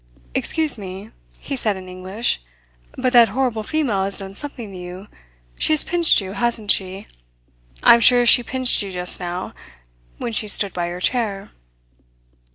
"Excuse me," he said in English, "but that horrible female has done something to you. She has pinched you, hasn't she? I am sure she pinched you just now, when she stood by your chair."